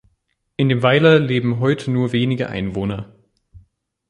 In dem Weiler leben heute nur wenige Einwohner.